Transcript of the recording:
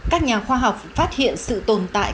các nhà khoa học phát hiện sự tồn tại